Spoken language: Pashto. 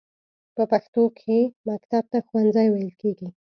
په پښتو کې مکتب ته ښوونځی ویل کیږی.